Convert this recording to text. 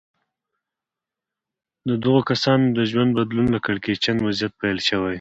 د دغو کسانو د ژوند بدلون له کړکېچن وضعيت پيل شوی.